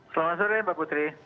selamat sore mbak putri